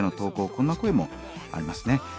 こんな声もありますね。